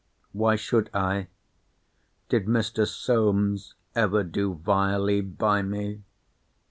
Why should I? Did Mr. Solmes ever do vilely by me?